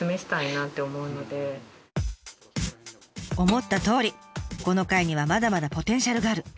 思ったとおりこの貝にはまだまだポテンシャルがある。